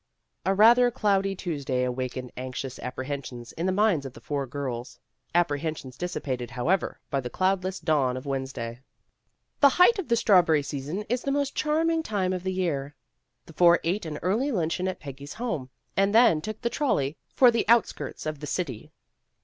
A rather cloudy Tuesday awakened anxious apprehensions in the minds of the four girls, apprehensions dissipated, however, by the cloudless dawn of Wednesday. The height of the strawberry season is the most charming time of the year. The four ate an early lunch eon at Peggy's home, and then took the trol ley for the outskirts of the city.